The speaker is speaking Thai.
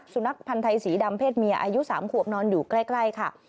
สุนัขพันธ์ไทยสีดำเพศเมียอายุ๓ขวบนอนอยู่ใกล้ค่ะ